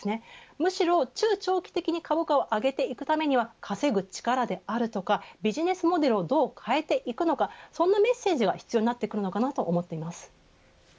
むしろ中長期的に株価を上げていくためには稼ぐ力であるとかビジネスモデルをどう変えていくのかそんなメッセージが必要になってくるのかなと思います。